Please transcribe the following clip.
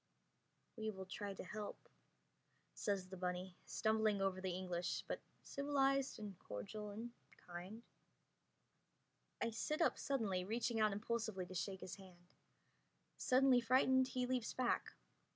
we will try to help," says the bunny, stumbling over the English, but civilized and cordial and kind. I sit up suddenly, reaching out impulsively to shake his hand. Suddenly frightened he leaps back.